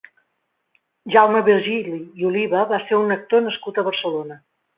Jaume Virgili i Oliva va ser un actor nascut a Barcelona.